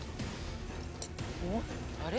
あれ？